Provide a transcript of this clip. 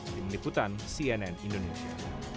di meniputan cnn indonesia